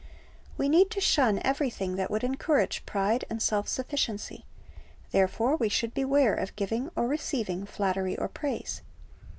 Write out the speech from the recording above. We need to shun everything that would encourage pride and self sufficiency; therefore we should beware of giving or receiving flattery or praise.